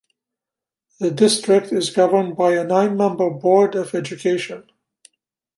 The district is governed by a nine-member Board of Education.